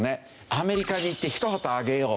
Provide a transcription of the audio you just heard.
「アメリカに行ってひと旗揚げよう」